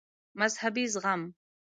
مذهبي زغم